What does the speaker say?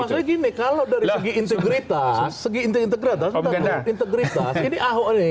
maksudnya gini kalau dari segi integritas segi integritas ini ahok ini